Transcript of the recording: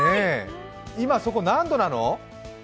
今、そこ何度なの？